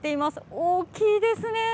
大きいですね！